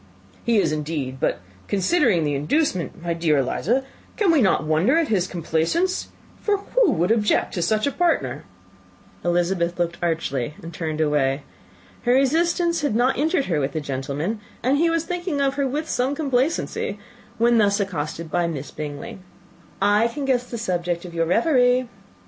"He is, indeed: but considering the inducement, my dear Miss Eliza, we cannot wonder at his complaisance; for who would object to such a partner?" Elizabeth looked archly, and turned away. Her resistance had not injured her with the gentleman, and he was thinking of her with some complacency, when thus accosted by Miss Bingley, "I can guess the subject of your reverie."